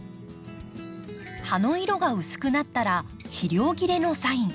葉の色が薄くなったら肥料切れのサイン。